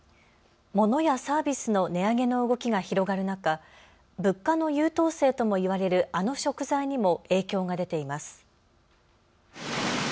モノやサービスの値上げの動きが広がる中、物価の優等生とも言われるあの食材にも影響が出ています。